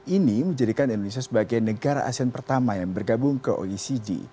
ini menjadikan indonesia sebagai negara asean pertama yang bergabung ke oecd